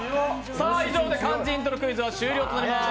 以上で「漢字イントロクイズ」は終了となります